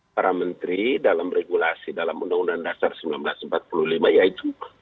para menteri dalam regulasi dalam undang undang dasar seribu sembilan ratus empat puluh lima yaitu